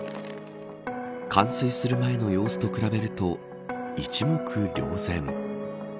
冠水する前の様子と比べると一目瞭然。